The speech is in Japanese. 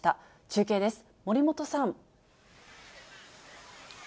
中継です、森本さん。